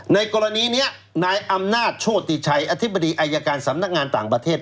ในกรณีนี้นายอำนาจโชติชัยอธิบดีอายการสำนักงานต่างประเทศ